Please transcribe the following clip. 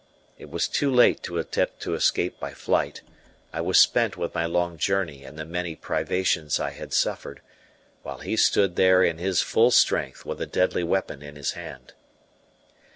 It was too late to attempt to escape by flight; I was spent with my long journey and the many privations I had suffered, while he stood there in his full strength with a deadly weapon in his hand.